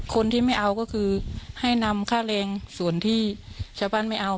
คนที่ไม่เอาก็คือให้นำค่าแรงส่วนที่ชาวบ้านไม่เอา